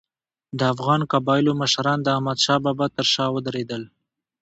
د افغان قبایلو مشران د احمدشاه بابا تر شا ودرېدل.